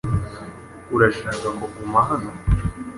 Urashaka kuguma hano?